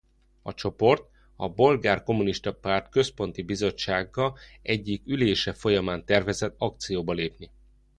A csoport a Bolgár Kommunista Párt Központi Bizottsága egyik ülése folyamán tervezett akcióba lépni.